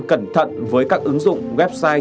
cẩn thận với các ứng dụng website